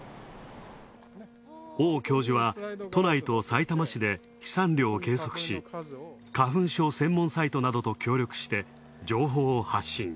王教授は都内とさいたま市で飛散量を計測し花粉症専門サイトなどと協力して情報を発信。